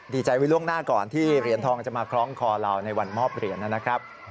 ดีใจไว้ล่วงหน้าก่อนที่เหรียญทองจะมาคล้องคอเราในวันมอบเหรียญนะครับ